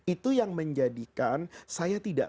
itu yang menjadikan saya tidak